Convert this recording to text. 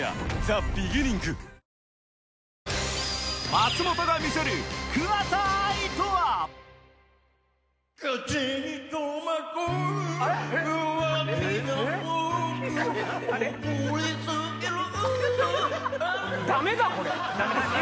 松本が見せる桑田愛とは？あれ？えっ？